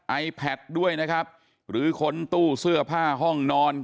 ไอแพทด้วยนะครับหรือค้นตู้เสื้อผ้าห้องนอน